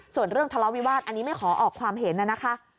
ส่วนเรื่องทะเลาวิวาสอันนี้ไม่ขอออกความเห็นนะคะ